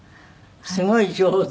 すごい上手。